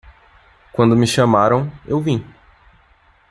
Quando me chamaram, eu vim